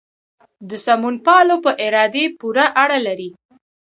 د سمونپالو په ارادې پورې اړه لري.